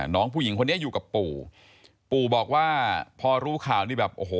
น้องผู้หญิงคนนี้อยู่กับปู่ปู่บอกว่าพอรู้ข่าวนี่แบบโอ้โห